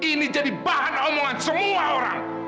ini jadi bahan omongan semua orang